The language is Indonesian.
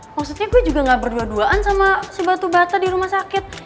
maksudnya gue juga gak berdua duaan sama si batu bata di rumah sakit